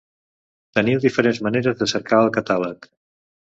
Teniu diferents maneres de cercar al catàleg.